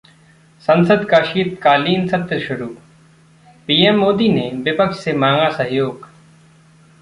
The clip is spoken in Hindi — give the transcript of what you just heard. संसद का शीतकालीन सत्र शुरू, पीएम मोदी ने विपक्ष से मांगा सहयोग